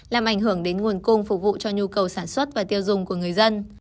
làm ảnh hưởng đến nguồn cung phục vụ cho nhu cầu sản xuất và tiêu dùng của người dân